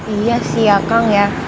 iya sih ya kang ya